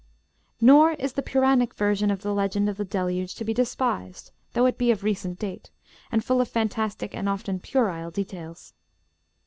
Nor is the Puranic version of the Legend of the Deluge to be despised, though it be of recent date, and full of fantastic and often puerile details.